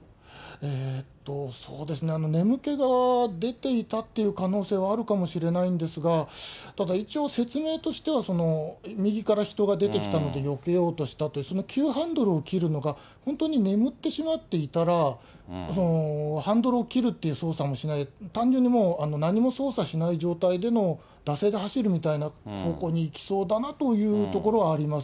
そうですね、眠気が出ていたという可能性はあるかもしれないんですが、ただ一応、説明としては、右から人が出てきたのでよけようとしたって、その急ハンドルを切るのが本当に眠ってしまっていたら、ハンドルを切るっていう操作もしない、単純にもう、何も操作しない状態での惰性で走るみたいな方向に行きそうだなというところはあります。